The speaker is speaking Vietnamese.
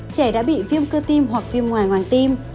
trẻ đã bị viêm cơ tim hoặc viêm ngoài tim